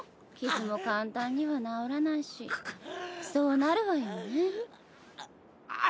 傷も簡単には治らないしそうなるわよね。